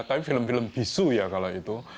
tapi film film bisu ya kalau itu